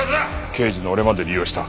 刑事の俺まで利用した。